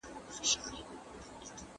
آس د کوهي غاړې ته په پوره مېړانې ورسېد.